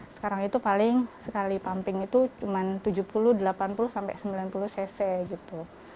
sekarang itu paling sekali pumping itu cuma tujuh puluh delapan puluh sampai sembilan puluh cc gitu